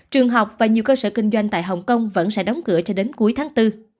trường học và nhiều cơ sở kinh doanh tại hồng kông vẫn sẽ đóng cửa cho đến cuối tháng bốn